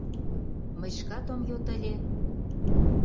— Мый шкат ом йод ыле.